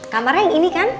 kamarnya yang ini kan